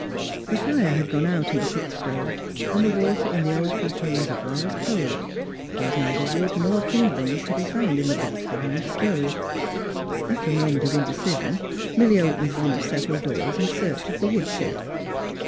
The fire had gone out in the cook stove and the water in the old fashioned reservoir was cold, there was neither wood nor kindling to be found in the box behind the stove. After a moment of indecision, Milly opened one of several doors in search of the woodshed.